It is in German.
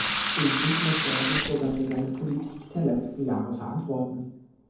Schließlich musste er sich sogar für seine Politik der letzten Jahre verantworten.